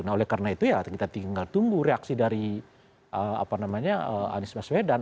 nah oleh karena itu ya kita tinggal tunggu reaksi dari anies baswedan